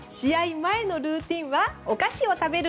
前のルーティンはお菓子を食べる。